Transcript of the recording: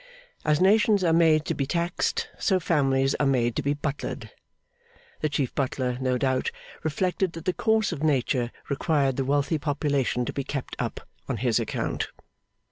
As nations are made to be taxed, so families are made to be butlered. The Chief Butler, no doubt, reflected that the course of nature required the wealthy population to be kept up, on his account.